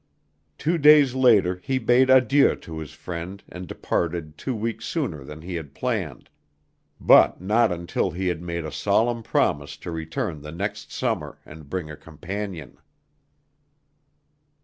Two days later he bade adieu to his friend and departed two weeks sooner than he had planned, but not until he had made a solemn promise to return the next summer and bring a companion.